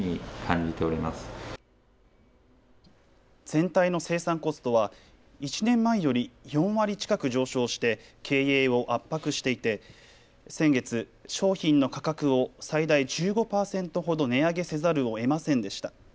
全体の生産コストは１年前より４割近く上昇して経営を圧迫していて先月、商品の価格を最大１５％ほど値上げせざるをえませんでした。